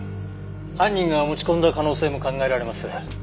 犯人が持ち込んだ可能性も考えられます。